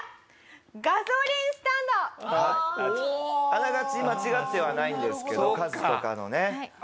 あながち間違ってはないんですけどカズとかのね。